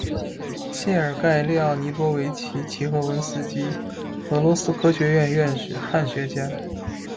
谢尔盖·列奥尼多维奇·齐赫文斯基，俄罗斯科学院院士、汉学家。